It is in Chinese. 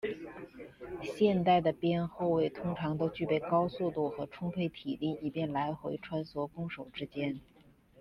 现代的边后卫通常都具备高速度和充沛体力以便来回穿梭攻守之间。